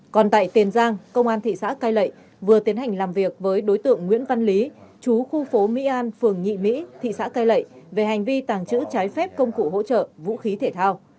còn tại tiền giang công an thị xã cai lậy vừa tiến hành làm việc với đối tượng nguyễn văn lý chú khu phố mỹ an phường nhị mỹ thị xã cai lệ về hành vi tàng trữ trái phép công cụ hỗ trợ vũ khí thể thao